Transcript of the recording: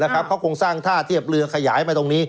เขาคงสร้างท่าเทียบเรือขยายไปตรงนี้